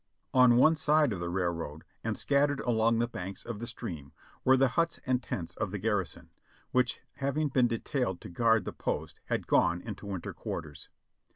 On one side of the railroad, and scattered along the banks of the stream, were the huts and tents of the garrison, which having been detailed to guard the post had gone into winter quarters.